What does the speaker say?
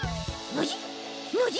ノジ？